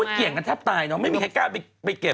เกี่ยงกันแทบตายเนอะไม่มีใครกล้าไปเก็บ